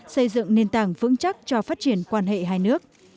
xây dựng nền tảng vững chắc cho phát triển quan hệ hai nước